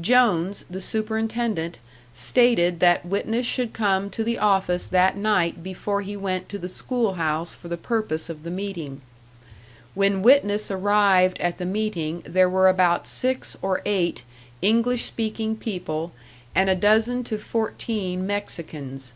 Jones, the superintendent, stated that witness should come to the office that night before he went to the school house for the purpose of the meeting; when witness arrived at the meeting there were about six or eight English speaking people and a dozen to fourteen Mexicans.